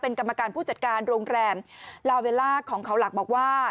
เป็นกรรมการผู้จัดการโรงแรมลาเวลล่าของเขาหลักบอกว่า